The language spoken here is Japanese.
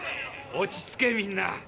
落ち着けみんな。